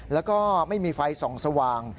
แล้วก็ไม่มีไฟส่องสว่าง